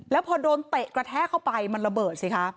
แล้วพอโดนเตะกระแทกเข้าไปมันระเบิดสิคะ